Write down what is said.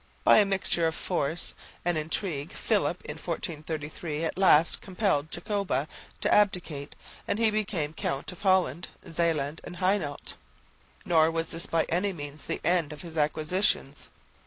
By a mixture of force and intrigue Philip, in 1433, at last compelled Jacoba to abdicate, and he became Count of Holland, Zeeland and Hainault. Nor was this by any means the end of his acquisitions.